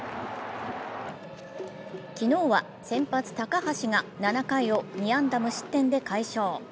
昨日は先発・高橋が７回を２安打無失点で快勝。